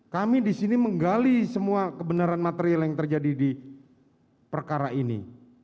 kami di sini menggali semua kebenaran material yang terjadi di perkara ini